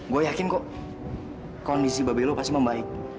gue yakin kok kondisi babil lu pasti membaik